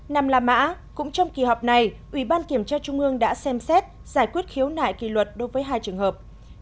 năm là mã cũng trong kỳ họp này ủy ban kiểm tra trung ương đã xem xét giải quyết khiếu nại kỳ luật đối với hai trường hợp